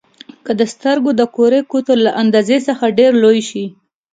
که د سترګو د کرې قطر له اندازې څخه ډېر لوی شي.